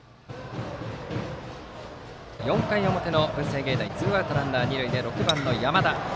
４回表の文星芸大付属ツーアウトランナー、二塁で６番の山田。